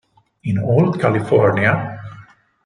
In Old California